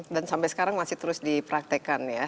dan sampai sekarang masih terus dipraktekan ya